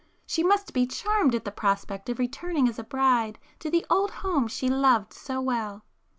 She must be charmed at the prospect of returning as a bride to the old home she loved so well."